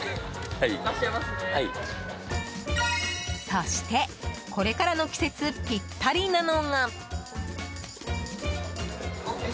そして、これからの季節ぴったりなのが。